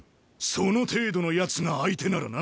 その程度のヤツが相手ならな。